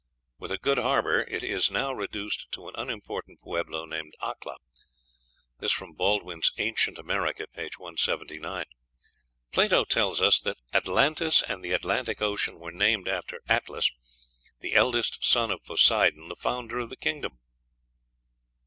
With a good harbor, it is now reduced to an unimportant pueblo named Acla." (Baldwin's "Ancient America," p. 179.) Plato tells us that Atlantis and the Atlantic Ocean were named after Atlas, the eldest son of Poseidon, the founder of the kingdom.